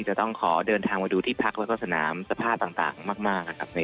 จะต้องขอเดินทางมาดูที่พักแล้วก็สนามสภาพต่างมากนะครับ